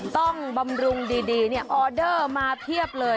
บำรุงดีออเดอร์มาเพียบเลย